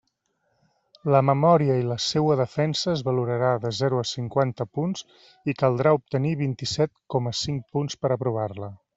La memòria i la seua defensa es valorarà de zero a cinquanta punts, i caldrà obtenir vint-i-set coma cinc punts per a aprovar-la.